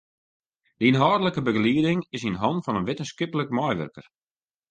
De ynhâldlike begelieding is yn hannen fan in wittenskiplik meiwurker.